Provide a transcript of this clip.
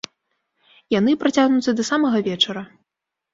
Яны працягнуцца да самага вечара.